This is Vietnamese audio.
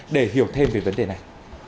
để hiểu thêm về vấn đề này